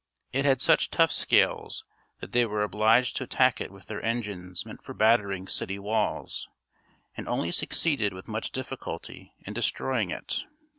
It had such tough scales that they were obliged to attack it with their engines meant for battering city walls; and only succeeded with much difficulty in destroying it.